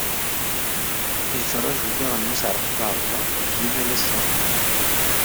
Yetturaju daɣen Mass Ɛerqub Ɛebdellah deg yimalas-a.